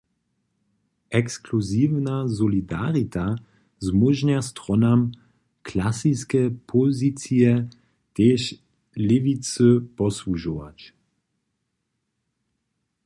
Ekskluziwna solidarita zmóžnja stronam, klasiske pozicije tež lěwicy posłužować.